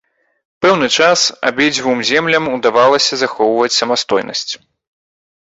Пэўны час абедзвюм землям удавалася захоўваць самастойнасць.